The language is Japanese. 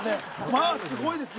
まあすごいですよ。